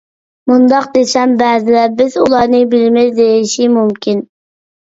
مۇنداق دېسەم، بەزىلەر «بىز ئۇلارنى بىلىمىز» ، دېيىشى مۇمكىن.